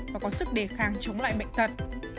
và có sức đề kháng chống lại bệnh tật